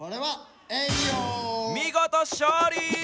見事勝利。